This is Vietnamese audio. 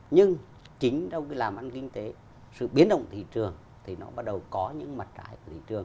nhưng chính trong cái làm ăn kinh tế sự biến động thị trường thì nó bắt đầu có những mặt trái của thị trường